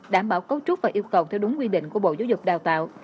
đảm bảo cấu trúc và yêu cầu theo đúng quy định của bộ giáo dục đào tạo